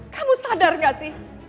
kamu sadar gak sih